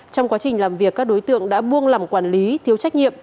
trong quá trình làm việc các đối tượng đã buông lòng quản lý thiếu trách nhiệm